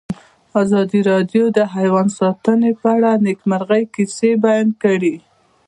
ازادي راډیو د حیوان ساتنه په اړه د نېکمرغۍ کیسې بیان کړې.